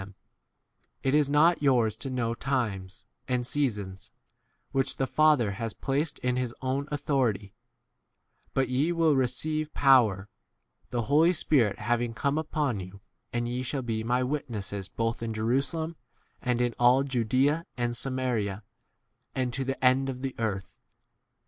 7 them, It is not yours to know times and seasons, which the Father has placed in his own 8 authority ; c but ye will receive d power, the Holy Spirit having come upon you, and ye shall be my e witnesses both in Jerusalem and in all Judaea and Samaria, 9 and to the end of the earth.